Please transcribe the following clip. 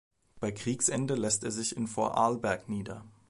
Bei Kriegsende lässt er sich in Vorarlberg nieder.